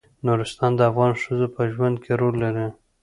نورستان د افغان ښځو په ژوند کې رول لري.